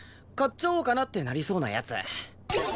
買っちゃおうかなってなりそうなやつ。